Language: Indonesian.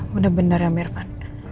benar benar ya mirvan